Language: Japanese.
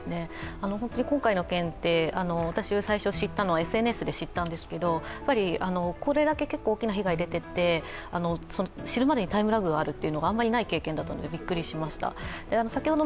今回の件、最初ＳＮＳで知ったんですけどこれだけ結構大きな被害が出ていて、知るまでにタイムラグがあるというのはあまりない経験だったので、びっくりしました。